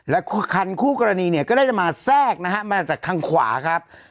แล้วคันคู่กรณีเนี่ยก็น่าจะมาแทรกนะฮะมาจากทางขวาครับ